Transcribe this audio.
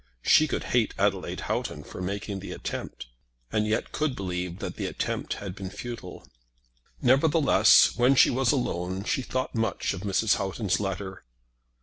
She could hate Adelaide Houghton for making the attempt, and yet could believe that the attempt had been futile. Nevertheless when she was alone she thought much of Mrs. Houghton's letter.